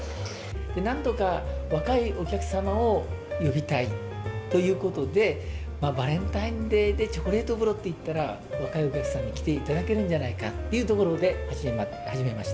なんとか若いお客様を呼びたいということで、バレンタインデーでチョコレート風呂っていったら、若いお客さんが来ていただけるんじゃないかっていうところで始めました。